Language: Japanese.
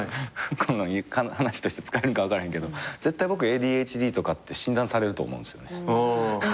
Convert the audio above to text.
話として使えるか分からへんけど絶対僕ＡＤＨＤとかって診断されると思うんすよね。